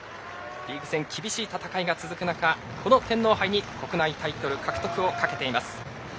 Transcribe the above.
リーグ戦、厳しい戦いが続く中この天皇杯に国内タイトル獲得をかけています。